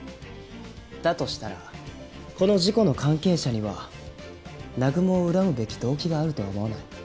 だとしたらこの事故の関係者には南雲を恨むべき動機があると思わない？